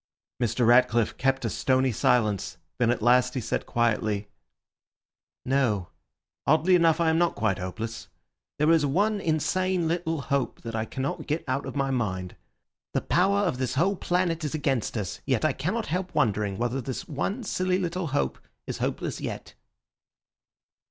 Mr. Ratcliffe kept a stony silence; then at last he said quietly— "No; oddly enough I am not quite hopeless. There is one insane little hope that I cannot get out of my mind. The power of this whole planet is against us, yet I cannot help wondering whether this one silly little hope is hopeless yet."